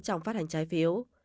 trong phát hành trái phiếu